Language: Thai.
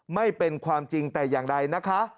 ไม่เป็นความจริงแต่อย่างใดนะคะ